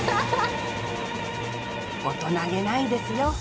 大人気ないですよ